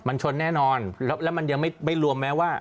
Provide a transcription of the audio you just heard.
มันชนแน่นอนแล้วมันยังไม่รวมแม้ว่า